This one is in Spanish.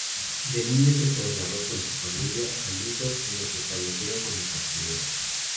De niño se trasladó con su familia a Lugo, donde se establecieron como pasteleros.